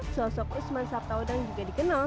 sosok usman sabtaudang juga dikenal